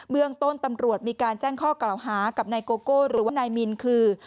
เรื่องต้นตำรวจมีการแจ้งข้อกล่าวหากับนายโกโก้หรือว่านายมินคือ